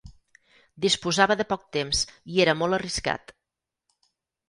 Disposava de poc temps i era molt arriscat.